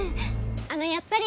あのやっぱり。